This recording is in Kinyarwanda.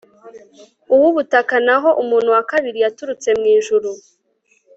uw'ubutaka naho umuntu wa kabiri yaturutse mw'ijuru